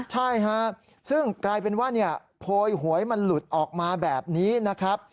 ใช่ฮะซึ่งกลายเป็นว่าโพยหวยมันหลุดออกมาแบบนี้นะครับ